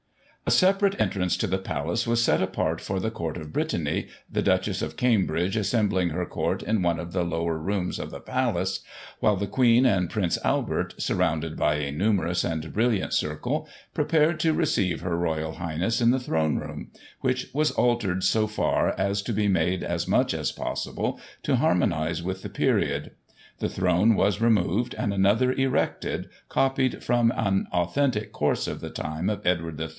A separate entrance to the Palace was set apart for the Court of Brittany, the Duchess of Cambridge assembling her Court in one of the lower rooms of the Palace, while ;the Queen and Prince Albert, surrounded by a numerous and brilliant circle, prepared to receive her Royal Highnessr in the Throne Room, which was altered so far, as to be made as much as possible to harmonise with the period. The throne was removed and another erected, copied from an authentic source, of the time of Edward III.